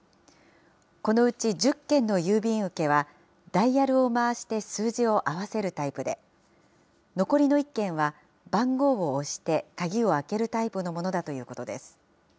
このうち１０件の郵便受けは、ダイヤルを回して数字を合わせるタイプで、残りの１件は、番号を押して鍵を開けるタイプのものだということです。